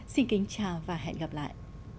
xin kính chào và hẹn gặp lại